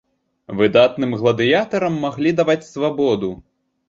Выдатным гладыятарам маглі даваць свабоду.